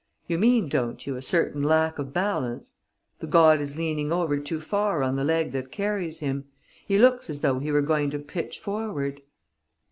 You mean, don't you, a certain lack of balance? The god is leaning over too far on the leg that carries him. He looks as though he were going to pitch forward."